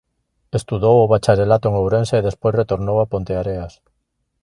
Estudou o bacharelato en Ourense e despois retornou a Ponteareas.